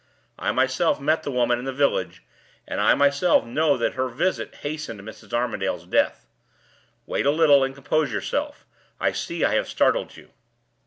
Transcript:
I myself met the woman in the village, and I myself know that her visit hastened Mrs. Armadale's death. Wait a little, and compose yourself; I see I have startled you."